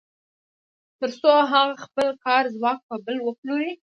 تر څو هغه خپل کاري ځواک په بل وپلوري